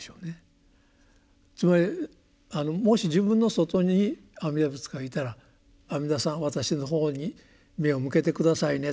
つまりもし自分の外に阿弥陀仏がいたら「阿弥陀さん私の方に目を向けて下さいね」と。